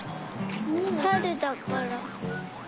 はるだから。